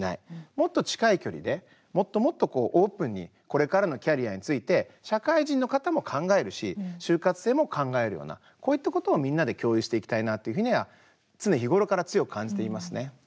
もっと近い距離でもっともっとオープンにこれからのキャリアについて社会人の方も考えるし就活生も考えるようなこういったことをみんなで共有していきたいなというふうには常日頃から強く感じていますね。